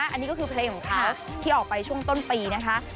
อันนี้ก็คือเพลงของเขาที่ออกไปช่วงต้นปีนะคะ